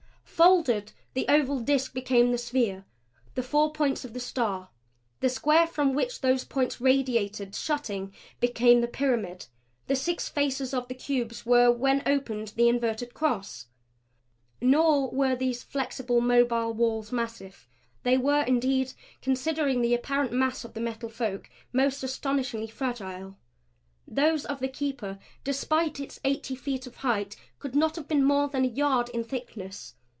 Folded, the oval disk became the sphere; the four points of the star, the square from which those points radiated; shutting became the pyramid; the six faces of the cubes were when opened the inverted cross. Nor were these flexible, mobile walls massive. They were indeed, considering the apparent mass of the Metal Folk, most astonishingly fragile. Those of the Keeper, despite its eighty feet of height, could not have been more than a yard in thickness.